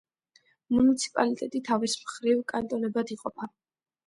მუნიციპალიტეტი თავის მხრივ კანტონებად იყოფა.